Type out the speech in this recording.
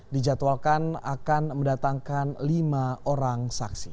dijadwalkan akan mendatangkan lima orang saksi